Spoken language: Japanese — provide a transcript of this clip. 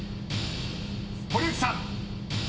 ［堀内さん］